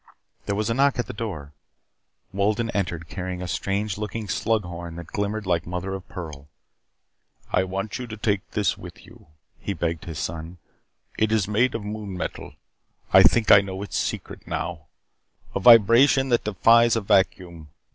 There was a knock at the door. Wolden entered, carrying a strange looking slug horn that glimmered like mother of pearl. "I want you to take this with you," he begged his son. "It is made of the Moon Metal. I think I know its secret now. A vibration that defies a vacuum.